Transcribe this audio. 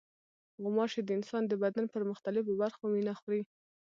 غوماشې د انسان د بدن پر مختلفو برخو وینه خوري.